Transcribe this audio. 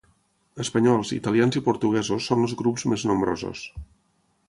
Espanyols, italians i portuguesos són els grups més nombrosos.